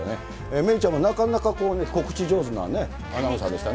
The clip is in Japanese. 芽生ちゃんもなかなかね、告知上手だよね、アナウンサーでしたよ